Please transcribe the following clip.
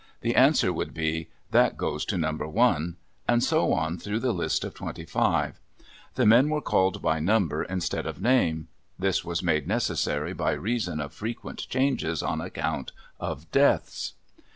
The answer would be, "That goes to No. 1," and so on through the list of twenty five. The men were called by number instead of name. This was made necessary by reason of frequent changes on account of deaths.